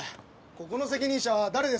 ここの責任者は誰ですか？